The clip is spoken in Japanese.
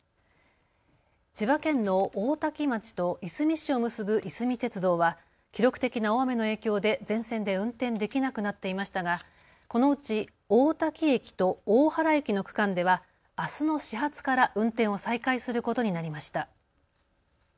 千葉県の大多喜町といすみ市を結ぶいすみ鉄道は記録的な大雨の影響で全線で運転できなくなっていましたがこのうち大多喜駅と大原駅の区間ではあすの始発から運転を再開することになりました。